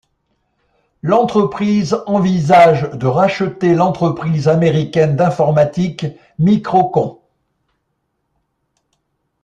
L'entreprise envisage de racheter l'entreprise américaine d'informatique MicroCon.